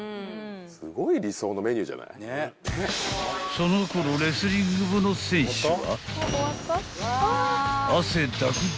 ［そのころレスリング部の選手は］